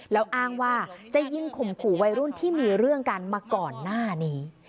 แล้วอ้างว่าจะยิงข่มขู่วัยรุ่นที่มีเรื่องกันมาก่อนหน้านี้